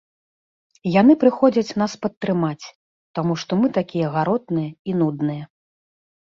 Яны прыходзяць нас падтрымаць, таму што мы такія гаротныя і нудныя.